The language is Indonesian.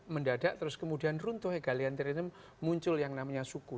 mendadak terus kemudian runtuh egalianterim muncul yang namanya suku